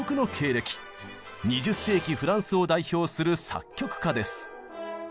２０世紀フランスを代表する作曲家です。